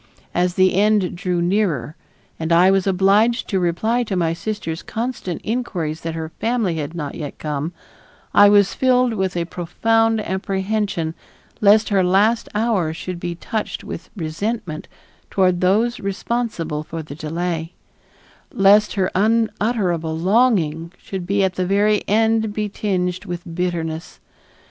As the end drew nearer and I was obliged to reply to my sister's constant inquiries that her family had not yet come, I was filled with a profound apprehension lest her last hours should be touched with resentment toward those responsible for the delay; lest her unutterable longing should at the very end be tinged with bitterness.